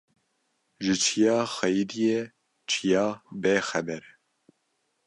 Ji çiya xeyîdiye çiya bê xeber e